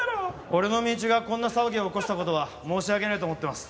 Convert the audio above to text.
俺の身内がこんな騒ぎを起こした事は申し訳ないと思ってます。